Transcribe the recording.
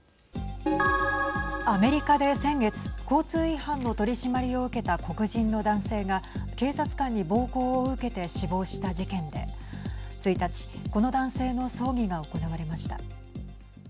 アメリカで先月交通違反の取締りを受けた黒人の男性が警察官に暴行を受けて死亡した事件で１日この男性の葬儀が行われました。